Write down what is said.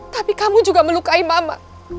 tapi kamu juga melukai mama